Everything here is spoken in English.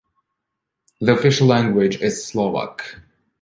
The official language is Slovak.